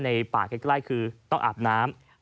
ในป่าใกล้คือต้องอาบน้ำ